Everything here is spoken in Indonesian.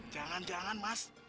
jangan jangan mas